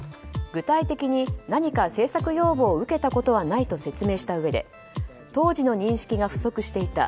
具体的に、何か政策要望を受けたことはないと説明したうえで当時の認識が不足していた。